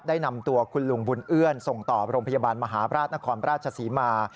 ได้นำตัวคุณลุงบุญเอื้อนส่งต่อโรงพยาบาลมหาบราชนครราชศรีมา